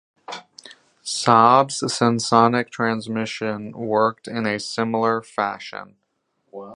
Saab's Sensonic transmission worked in a similar fashion.